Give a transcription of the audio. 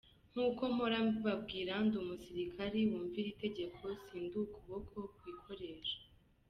Nkuko mpora mbibabwira, ndi umusirikari wumvira itegeko, si ndi ukuboko kwikoresha.